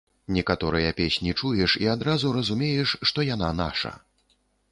Некаторыя песні чуеш і адразу разумееш, што яна наша.